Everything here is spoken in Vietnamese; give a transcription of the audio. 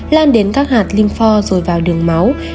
lan đến các hạt lympho rồi vào đường máu